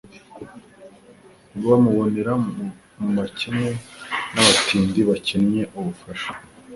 ntibamubonera mu bakene n’abatindi bakencye ubufasha